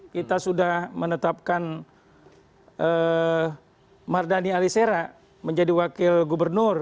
kita sudah menetapkan mardani alisera menjadi wakil gubernur